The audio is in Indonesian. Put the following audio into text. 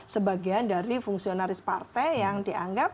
sebagian dari fungsionaris partai yang dianggap